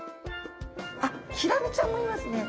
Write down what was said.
あっヒラメちゃんもいますね。